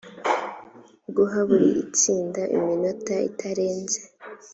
guha buri itsinda iminota itarenze